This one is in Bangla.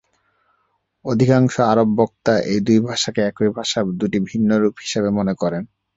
অধিকাংশ আরব বক্তা এই দুই ভাষাকে একই ভাষার দুটি ভিন্ন রূপ হিসাবে মনে করেন।